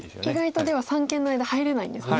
意外とでは三間の間入れないんですね。